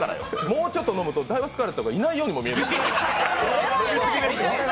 もうちょっと飲むとダイワスカーレットがいないようにも見えます。